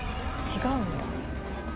違うんや。